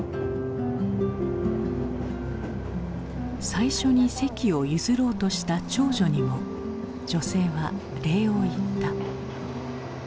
最初に席を譲ろうとした長女にも女性は礼を言った。